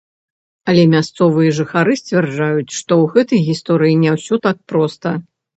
Але мясцовыя жыхары сцвярджаюць, што ў гэтай гісторыі не ўсё так проста.